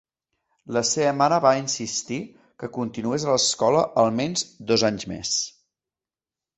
La seva mare va insistir que continués a l'escola almenys dos anys més.